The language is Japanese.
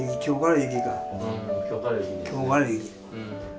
今日から雪。